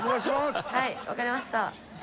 はい分かりました。